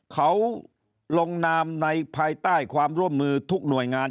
เขาลงนามในภายใต้ความร่วมมือทุกหน่วยงาน